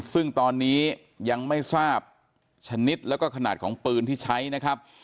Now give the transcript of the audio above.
ซึ่งตอนนี้ยังไม่ทราบชนิดแล้วก็ขนาดของปืนที่ใช้นะครับ